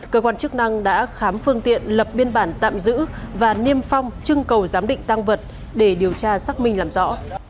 cơ quan chức năng đã khám phương tiện lập biên bản tạm giữ và niêm phong chưng cầu giám định tăng vật để điều tra xác minh làm rõ